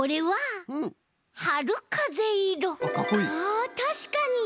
あたしかに。